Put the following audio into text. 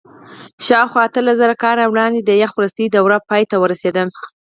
شاوخوا اتلسزره کاله وړاندې د یخ وروستۍ دوره پای ته ورسېده.